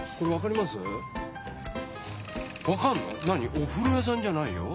おふろやさんじゃないよ。